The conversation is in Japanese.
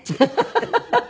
ハハハハ。